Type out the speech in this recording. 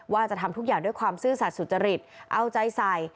ว่าจะทำทุกอย่างด้วยความซื่อสัตว์สุจริตเอาใจใส่